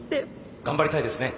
頑張りたいですね。